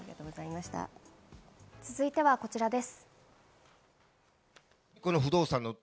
続いてはこちらです。